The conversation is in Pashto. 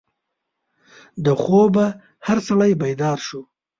د خوبه هر سړی بیدار شو.